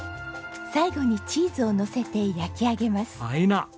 最後にチーズをのせて焼き上げます。